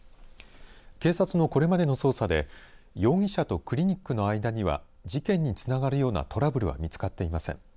警察のこれまでの捜査で容疑者とクリニックの間には事件につながるようなトラブルは見つかっていません。